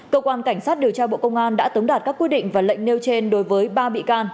cơ quan cảnh sát điều tra bộ công an đã tống đạt các quyết định và lệnh nêu trên đối với ba bị can